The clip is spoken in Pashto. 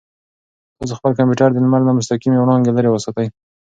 تاسو خپل کمپیوټر د لمر له مستقیمې وړانګې لرې وساتئ.